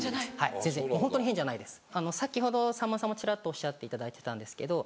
先ほどさんまさんもちらっとおっしゃっていただいてた。